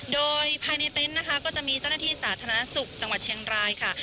โดยภายในเต็นต์นะคะก็จะมีเจ้าหน้าที่สาธารณสุขจังหวัดเชียงรายค่ะ